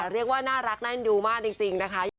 เรียกว่าน่ารักแน่นยูมากจริงนะคะ